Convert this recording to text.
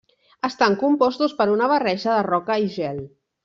Estan compostos per una barreja de roca i gel.